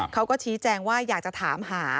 เขาก็ชี้แจงว่าอยากจะถามหา